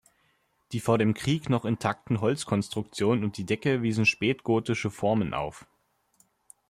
Die vor dem Krieg noch intakten Holzkonstruktionen und die Decke wiesen spätgotische Formen auf.